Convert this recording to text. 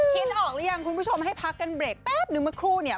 ออกหรือยังคุณผู้ชมให้พักกันเบรกแป๊บนึงเมื่อครู่เนี่ย